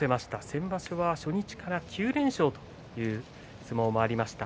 先場所は初日から９連勝という相撲もありました。